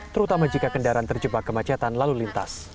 terutama jika kendaraan terjebak kemacetan lalu lintas